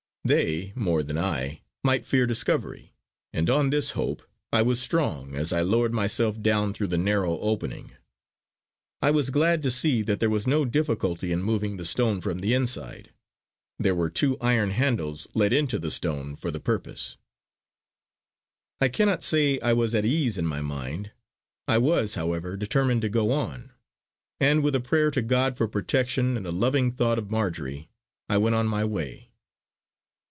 They, more than I, might fear discovery; and on this hope I was strong as I lowered myself down through the narrow opening. I was glad to see that there was no difficulty in moving the stone from the inside; there were two iron handles let into the stone for the purpose. I cannot say I was at ease in my mind, I was, however, determined to go on; and with a prayer to God for protection, and a loving thought of Marjory, I went on my way.